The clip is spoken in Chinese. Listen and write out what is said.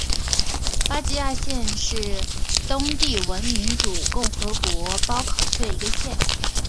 巴吉亚县是东帝汶民主共和国包考区的一个县。